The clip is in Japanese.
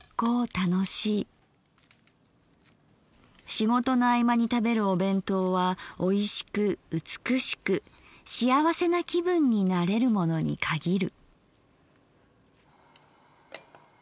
仕事の合間に食べるお弁当は美味しく美しくしあわせな気分になれるものに限る」。